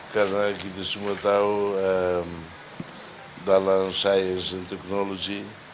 karena kita semua tahu dalam sains dan teknologi